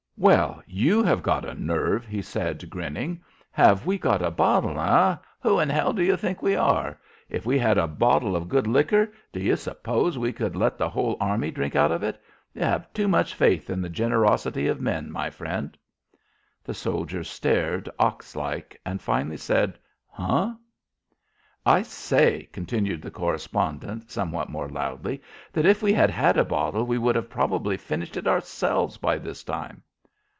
"Well, you have got a nerve," he said grinning. "Have we got a bottle, eh! Who in h do you think we are? If we had a bottle of good licker, do you suppose we could let the whole army drink out of it? You have too much faith in the generosity of men, my friend!" The soldier stared, ox like, and finally said, "Huh?" "I say," continued the correspondent, somewhat more loudly, "that if we had had a bottle we would have probably finished it ourselves by this time."